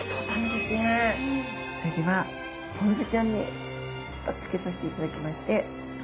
それではポン酢ちゃんにちょっとつけさせていただきまして。